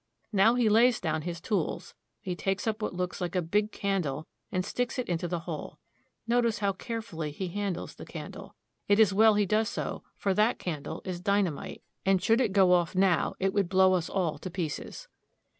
Now he lays down his tools. He takes up what looks like a big candle, and sticks it into the hole. Notice how carefully he handles the can dle. It is well he does so, for that candle is dynamite, and Elevator in Mine. 244 THE ROCKY MOUNTAIN REGION. should it go off now it would blow us all to pieces.